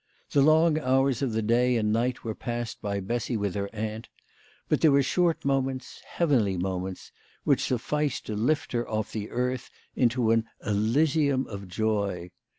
The long hours of the day and night were passed by Bessy with her aunt ; but there were short moments, heavenly moments, which sufficed to lift her off the earth into an Elysium of joy.